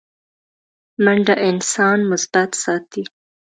منډه انسان مثبت ساتي